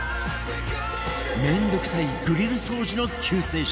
面倒くさいグリル掃除の救世主